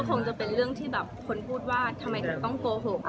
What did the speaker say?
คงจะเป็นเรื่องที่แบบคนพูดว่าทำไมถึงต้องโกหก